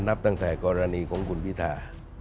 นับตั้งแต่กรณีของคุณพิธา